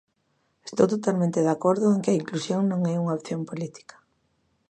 Estou totalmente de acordo en que a inclusión non é unha opción política.